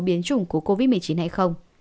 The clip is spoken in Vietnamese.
biến chủng của covid một mươi chín hay không